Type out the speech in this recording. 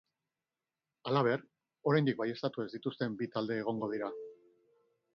Halaber, oraindik baieztatu ez dituzten bi talde egongo dira.